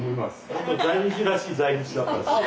本当に在日らしい在日だったです。